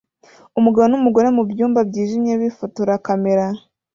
Umugabo numugore mubyumba byijimye bifotora kamera